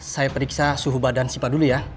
saya periksa suhu badan si pak dulu ya